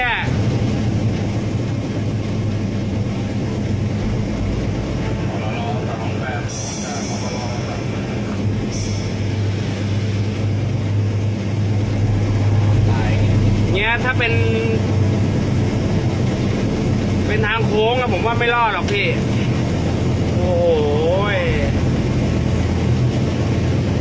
อย่างเงี้ยถ้าเป็นเป็นทางโค้งแล้วผมว่าไม่รอดหรอกพี่โอ้โห